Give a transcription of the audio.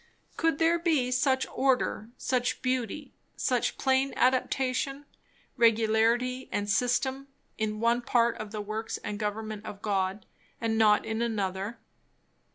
Could there be such order, such beauty, such plain adaptation, regularity and system, in one part of the works and government of God, and not in another.